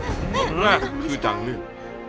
คนแรกคือจังนึง